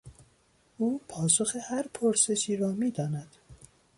او پاسخ هر پرسشی را میداند.